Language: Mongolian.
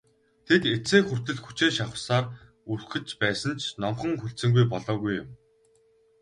Тэд эцсээ хүртэл хүчээ шавхсаар үхэж байсан ч номхон хүлцэнгүй болоогүй юм.